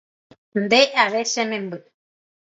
nde ave che memby.